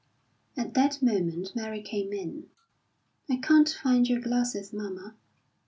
At that moment Mary came in. "I can't find your glasses, mamma."